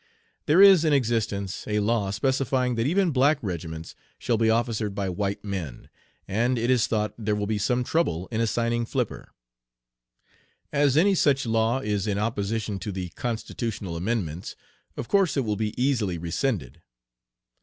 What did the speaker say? There is in existence a law specifying that even black regiments shall be officered by white men, and it is thought there will be some trouble in assigning Flipper. As any such law is in opposition to the constitutional amendments, of course it will be easily rescinded.